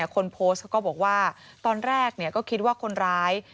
คนโพสต์เขาก็บอกว่าตอนแรกก็คิดว่าคนร้าย